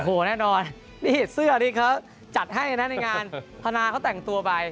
โอ้โหแน่นอนนี่เสื้อที่เขาจัดให้นะในงานพนาเขาแต่งตัวไป